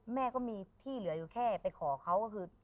แม่ก็มีที่เหลืออยู่แค่ไปขอเขาก็คือ